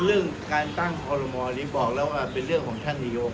เรื่องการตั้งคอลโมนี้บอกแล้วว่าเป็นเรื่องของท่านนายก